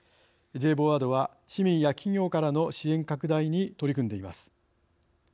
ＪＶＯＡＤは市民や企業からの支援拡大に取り組んでいます。